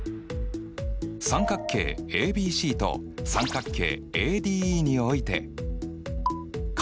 三角形ＡＢＣと三角形ＡＤＥにおいて∠